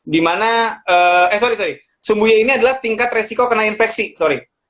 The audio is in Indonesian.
dimana eh sorry sorry sumbuya ini adalah tingkat resiko kena infeksi sorry